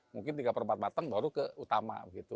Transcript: mungkin tiga per empat matang baru ke utama gitu